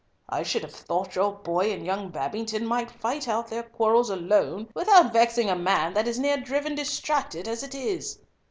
I should have thought your boy and young Babington might fight out their quarrels alone without vexing a man that is near driven distracted as it is."